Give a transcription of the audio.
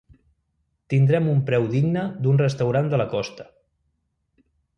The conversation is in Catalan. Tindrem un preu digne d'un restaurant de la costa.